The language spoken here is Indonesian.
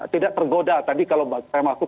tidak tergoda tadi kalau saya maksud